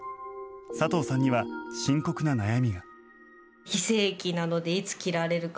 佐藤さんには深刻な悩みが。